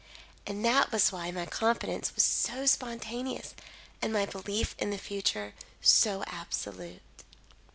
And that was why my confidence was so spontaneous and my belief in the future so absolute.